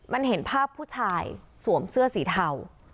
มันเห็นภาพผู้ชายสวมเสื้อสีเทา